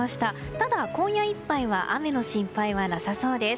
ただ、今夜いっぱいは雨の心配はなさそうです。